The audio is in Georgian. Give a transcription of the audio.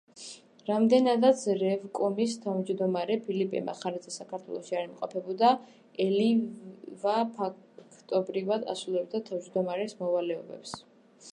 რამდენადაც რევკომის თავმჯდომარე ფილიპე მახარაძე საქართველოში არ იმყოფებოდა, ელიავა ფაქტობრივად ასრულებდა თავმჯდომარის მოვალეობებს.